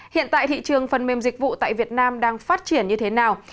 hiện tại thị trường phần mềm dịch vụ tại việt nam đang phát triển như thế nào